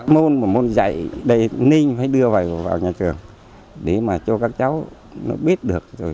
môn một môn dạy nên phải đưa vào nhà trường để cho các cháu biết được